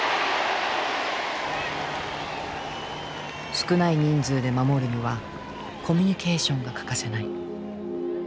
少ない人数で守るにはコミュニケーションが欠かせない。